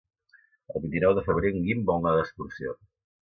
El vint-i-nou de febrer en Guim vol anar d'excursió.